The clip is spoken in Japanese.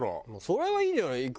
それはいいんじゃない？